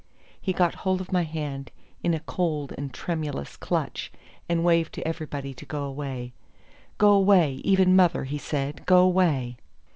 He got hold of my hand in a cold and tremulous clutch, and waved to everybody to go away. "Go away even mother," he said; "go away."